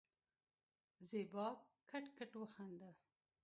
زېبا کټ کټ وخندل.